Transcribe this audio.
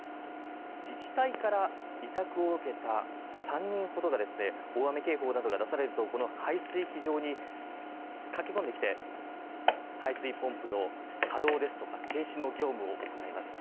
自治体から委託を受けた３人ほどが、大雨警報などが出されると、この排水機場に駆け込んできて、排水ポンプの稼働ですとか停止の業務を行います。